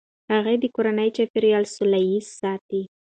هغې د کورني چاپیریال سوله ایز ساتي.